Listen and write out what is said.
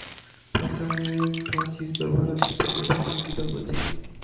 پاکستان نے ٹاس جیت کر بھارت کو پہلے بیٹنگ کی دعوت دی۔